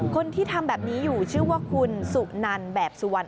คนที่ทำแบบนี้อยู่ชื่อว่าคุณสุนันแบบสุวรรณ